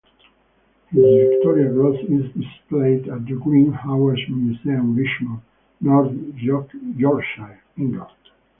His Victoria Cross is displayed at the Green Howards Museum, Richmond, North Yorkshire, England.